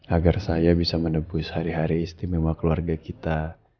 agar saya bisa menebus hari hari istimewa keluarga kita